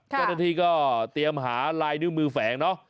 ก็นาทีก็เตรียมหาลายนิ้วมือแฝง